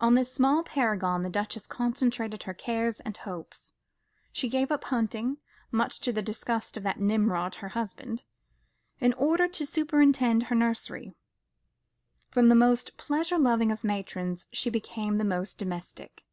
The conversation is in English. On this small paragon the Duchess concentrated her cares and hopes. She gave up hunting much to the disgust of that Nimrod, her husband in order to superintend her nursery. From the most pleasure loving of matrons, she became the most domestic.